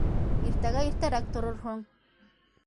Иртәгә иртәрәк торорһоң.